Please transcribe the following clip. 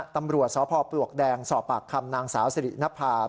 ตำรวจสพปลวกแดงสอบปากคำนางสาวสิรินภาพ